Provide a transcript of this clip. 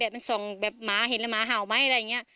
พ่อแบมนี่แหละ